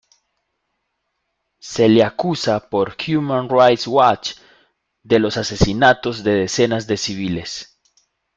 Se le acusa por Human Rights Watch de los asesinatos de decenas de civiles.